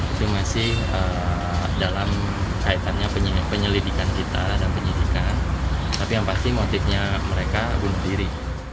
itu masih dalam kaitannya penyelidikan kita dan penyidikan tapi yang pasti motifnya mereka bunuh diri